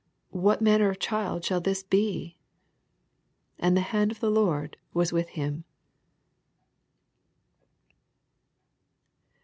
What manner of child shall this be r And the hand of the Lord was with him.